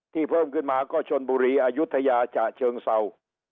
เพิ่มขึ้นมาก็ชนบุรีอายุทยาฉะเชิงเศร้า